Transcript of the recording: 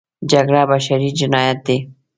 جګړه بشري جنایت دی.